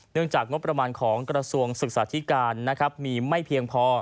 จากงบประมาณของกระทรวงศึกษาธิการมีไม่เพียงพอ